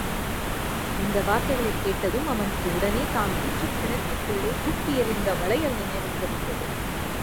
இந்த வார்த்தைகளைக் கேட்டதும், அவனுக்கு உடனே, தான் ஊற்றுக் கிணற்றுக்குள்ளே தூக்கி எறிந்த வளையல் நினைவுக்கு வந்தது.